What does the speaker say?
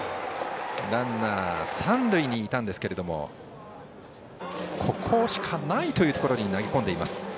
ランナー、三塁にいたんですがここしかないというところに投げ込んでいます。